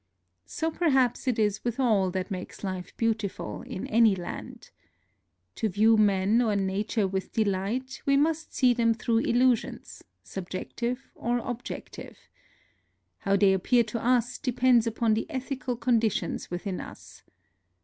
So perhaps it is with all that makes life beautiful in any land. To view men or na ture with delight, we must see them through illusions, subjective or objective. How they appear to us depends upon the ethical condi tions within us.